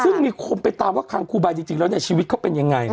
ซึ่งมีความไปตามว่าคังคูไบจริงจริงแล้วเนี้ยชีวิตเขาเป็นยังไงอืม